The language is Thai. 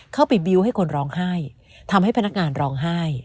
บิวต์ให้คนร้องไห้ทำให้พนักงานร้องไห้